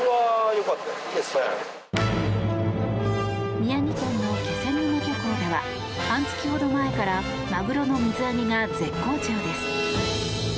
宮城県の気仙沼漁港では半月ほど前からマグロの水揚げが絶好調です。